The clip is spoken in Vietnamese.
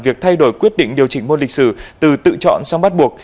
việc thay đổi quyết định điều chỉnh môn lịch sử từ tự chọn sang bắt buộc